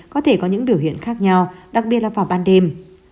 có thể có những biểu hiện khác nhau đặc biệt là vào ban đêm